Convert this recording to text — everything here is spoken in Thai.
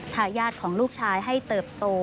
ทายาทของลูกชายให้เติบโต